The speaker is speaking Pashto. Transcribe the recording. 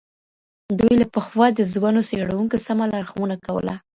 دوی له پخوا د ځوانو څېړونکو سمه لارښوونه کوله.